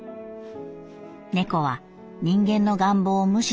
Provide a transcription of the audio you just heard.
猫は人間の願望を無視する。